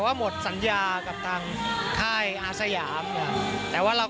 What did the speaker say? การเดินทางปลอดภัยทุกครั้งในฝั่งสิทธิ์ที่หนูนะคะ